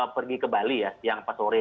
pergi ke bali ya siang empat sore